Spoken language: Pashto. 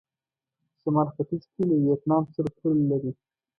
شمال ختيځ کې له ویتنام سره پوله لري.